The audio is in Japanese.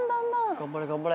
頑張れ頑張れ。